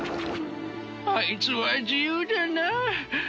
あいつは自由だなあ。